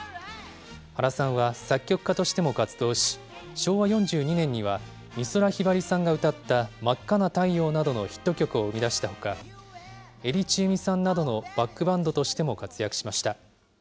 原さんは作曲家としても活動し、昭和４２年には、美空ひばりさんが歌った真赤な太陽などのヒット曲を生み出したほか、江利チエミさんなどのバックバンドとしても活躍しました。